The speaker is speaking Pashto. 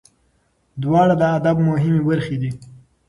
دواړه د ادب مهمې برخې دي.